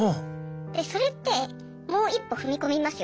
それってもう一歩踏み込みますよ。